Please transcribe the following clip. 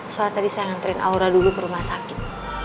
soalnya tadi saya nganterin aura dulu ke rumah sakit